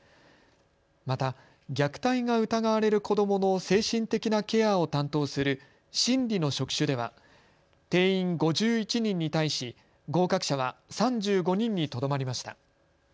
また虐待が疑われる子どもの精神的なケアを担当する心理の職種では定員５１人に対し合格者は３５人にとどまりました。